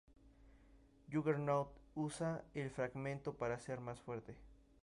Juggernaut usa el fragmento para ser más fuerte.